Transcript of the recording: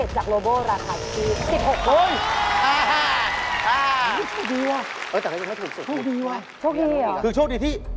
เฉพาะดือยังไม่ถูกสุด